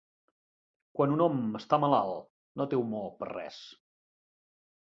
Quan un hom està malalt, no té humor per a res.